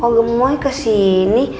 kau gemoy kesini